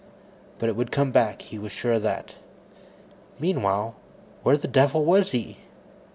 But it would come back; he was sure of that. Meanwhile, where the devil was he?